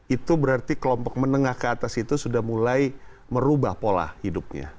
itu berarti kelompok menengah ke atas itu sudah mulai merubah pola hidupnya